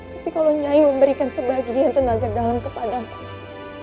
tapi kalau nyai memberikan sebagian tenaga dalam kepada aku